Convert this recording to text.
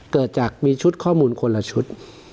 เกิดจากมีชุดข้อมูลคนละชุด